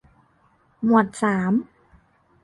หมวดสาม